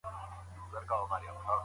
که غواګانې وساتو نو شیدې نه کمیږي.